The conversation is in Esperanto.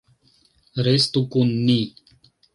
Restu kun ni.